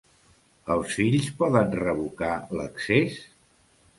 Els fills poden revocar l'accés?